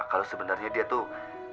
kalau sebenarnya dia tuh